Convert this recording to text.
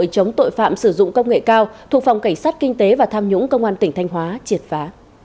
chống tội phạm sử dụng công nghệ cao thuộc phòng cảnh sát kinh tế và tham nhũng công an tỉnh thanh hóa triệt phá